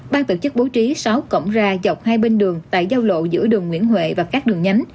ban tổ chức bố trí sáu cổng ra dọc hai bên đường tại giao lộ giữa đường nguyễn huệ và các đường nhánh